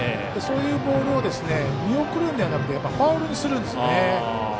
そういうボールを見送るのではなくてファウルにするんですね。